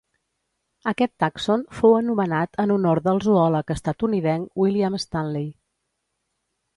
Aquest tàxon fou anomenat en honor del zoòleg estatunidenc William Stanley.